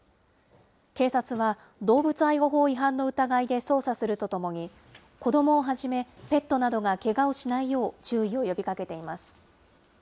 警察は、動物愛護法違反の疑いで捜査するとともに、子どもをはじめ、ペットなどがけがをしないよう注意を呼びかけています。